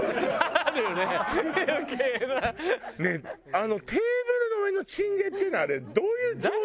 あのテーブルの上のチン毛っていうのはあれどういう何？